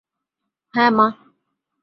হ্যাঁ, মা।